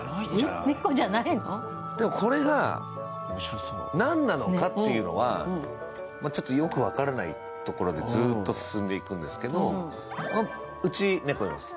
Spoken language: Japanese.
でも、これが何なのかっていうのがよく分からないところでずーっと進んでいくんですけどうち、猫います。